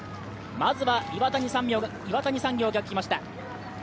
まずは岩谷産業がきました。